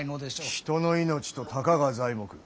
人の命とたかが材木。